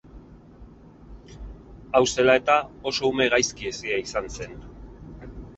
Hau zela eta, oso ume gaizki hezia izan zen.